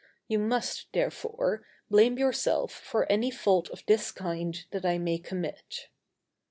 You must, therefore, blame yourself for any fault of this kind that I may commit.